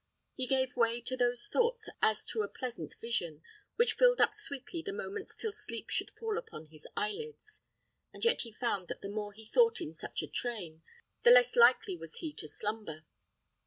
He gave way to those thoughts as to a pleasant vision, which filled up sweetly the moments till sleep should fall upon his eyelids; and yet he found that the more he thought in such a train, the less likely was he to slumber.